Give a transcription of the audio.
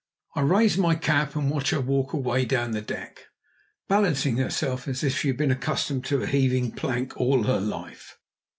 I raised my cap and watched her walk away down the deck, balancing herself as if she had been accustomed to a heaving plank all her life.